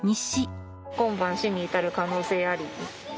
「今晩死に至る可能性あり」。